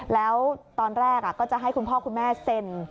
แล้วตอนแรกก็จะให้คุณพ่อคุณแม่เซ็น